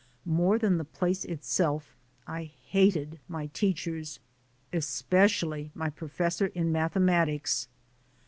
More than the place itself I hated my teachers, especially my professor in mathematics